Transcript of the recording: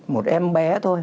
một em bé thôi